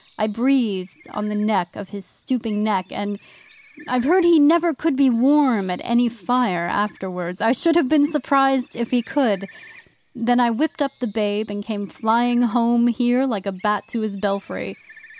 I breathed on the back of his stooping neck and I've heard he never could be warm at any fire afterwards. I should have been surprised if he could! Then I whipped up the babe, and came flying home here like a bat to his belfry.